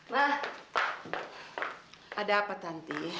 ma ada apa tanti